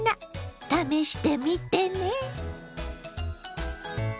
試してみてね。